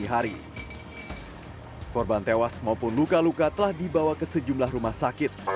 hari korban tewas maupun luka luka telah dibawa ke sejumlah rumah sakit